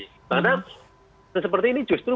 karena seperti ini justru